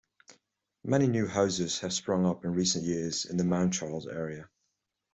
Many new houses have sprung up in recent years in the Mountcharles area.